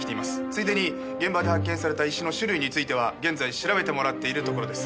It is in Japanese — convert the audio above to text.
ついでに現場で発見された石の種類については現在調べてもらっているところです。